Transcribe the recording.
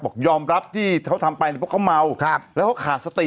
บอกว่ายอมรับที่เขาทำไปเพราะเขาเหมาแล้วเขาก่าสติ